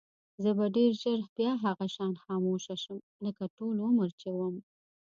زه به ډېر ژر بیا هغه شان خاموشه شم لکه ټول عمر چې وم.